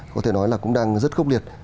có thể nói là cũng đang rất khốc liệt